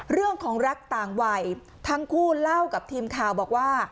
เรื่องของรักต่างวัยทั้งคู่เล่ากับทีมข่าวบอกว่า